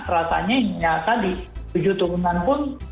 ratanya yang nyata di tujuh turunan pun